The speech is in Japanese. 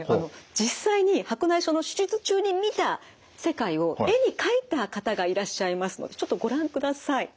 実際に白内障の手術中に見た世界を絵に描いた方がいらっしゃいますのでちょっとご覧ください。